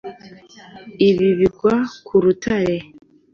Ibi bigwa ku rutare